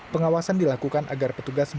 pengawasan dilakukan agar petugas bisa dihubungi